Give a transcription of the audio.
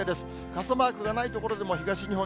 傘マークがない所でも、東日本、